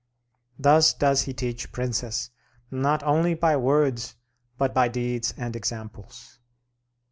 Thus does he teach princes, not only by words but by deeds and examples.